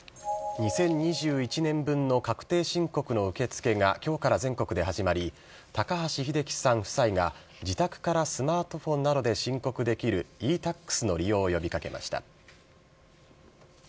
２０２１年分の確定申告の受け付けが、きょうから全国で始まり、高橋英樹さん夫妻が自宅からスマートフォンなどで申告できるｅ−Ｔａｘの利用を呼びかけました。